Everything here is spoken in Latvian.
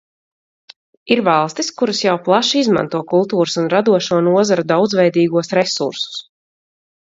Ir valstis, kuras jau plaši izmanto kultūras un radošo nozaru daudzveidīgos resursus.